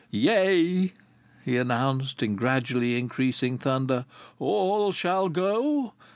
"Yea," he announced, in gradually increasing thunder, "all shall go.